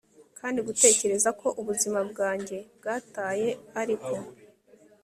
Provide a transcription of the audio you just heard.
Kandi gutekereza ko ubuzima bwanjye bwataye ariko